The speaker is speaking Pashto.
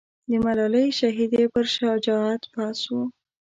د ملالۍ شهیدې پر شجاعت بحث و.